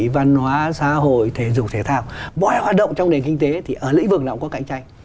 đồng hóa xã hội thể dục thể thao mọi hoạt động trong lĩnh vực kinh tế thì ở lĩnh vực nào cũng có cạnh tranh